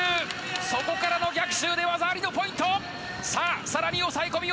そこからの逆襲で技ありのポイント。